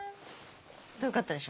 遠かったでしょ？